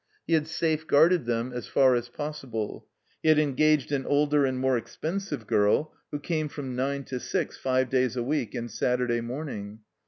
He had safeguarded them as far as pos sible. He had engaged an older and more expensive girl, who came from nine to six, five days a week and Saturday morning.